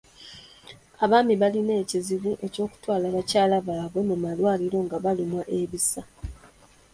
Abaami balina ekizibu ky'okutwala bakyala baabwe mu malwaliro nga balumwa ebisa.